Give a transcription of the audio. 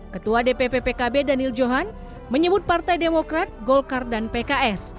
ketua dpp pkb daniel johan menyebut partai demokrat golkar dan pks